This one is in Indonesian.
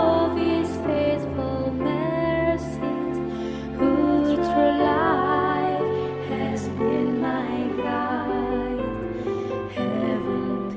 untuk berdiri di belakang